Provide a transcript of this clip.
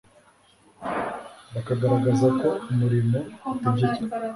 bakagaragaza ko umurimo utegetswe